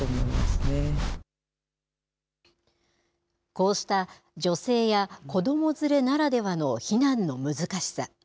こうした女性や子ども連れならではの避難の難しさ。